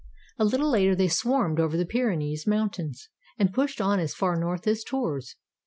A little later they swarmed over the Pyre nees Mountains, and pushed on as far north as Tours.